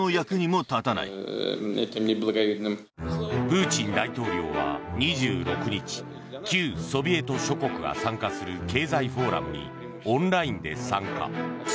プーチン大統領は２６日旧ソビエト諸国が参加する経済フォーラムにオンラインで参加。